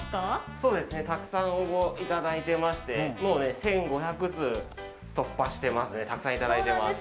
そうですね、たくさん応募いただいてまして、１５００通突破していますね、たくさん頂いています。